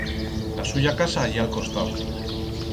La suya casa ye a'l costau.